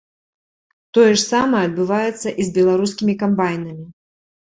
Тое ж самае адбываецца і з беларускімі камбайнамі.